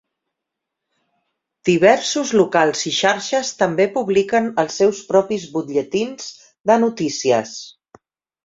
Diversos locals i xarxes també publiquen els seus propis butlletins de notícies.